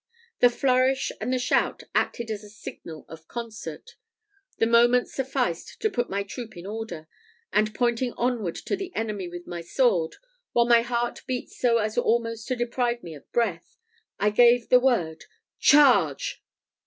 The flourish and the shout acted as a signal of concert. A moment sufficed to put my troop in order; and pointing onward to the enemy with my sword, while my heart beat so as almost to deprive me of breath, I gave the word "Charge!"